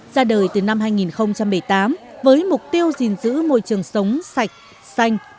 ra đời từ năm hai nghìn một mươi tám với mục tiêu gìn giữ môi trường sống sạch xanh